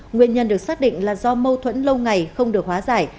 nguyên nhân được xác định là do mâu thuẫn lâu ngày không được hóa giải